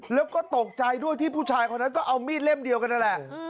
แล้วก็ตกใจด้วยที่ผู้ชายคนนั้นก็เอามีดเล่มเดียวกันนั่นแหละ